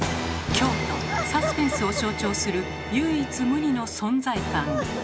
「京都」「サスペンス」を象徴する唯一無二の存在感。